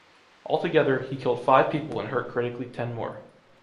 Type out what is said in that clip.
Altogether, he killed five people and hurt critically ten more.